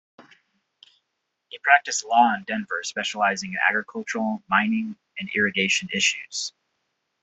He practiced law in Denver, specializing in agricultural, mining, and irrigation issues.